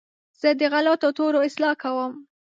زه د غلطو تورو اصلاح کوم.